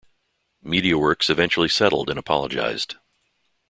Mediaworks eventually settled and apologised.